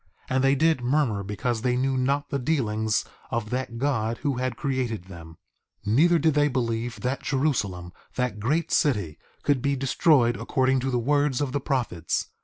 And they did murmur because they knew not the dealings of that God who had created them. 2:13 Neither did they believe that Jerusalem, that great city, could be destroyed according to the words of the prophets.